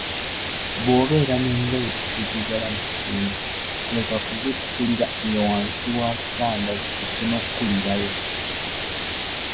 Bw‘obeera n‘engoye eziddugala mu kisenge, leka kuzikukulira eyo wansi wa kitanda zituuke n‘okukulirayo